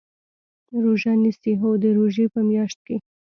روژه نیسئ؟ هو، د روژی په میاشت کې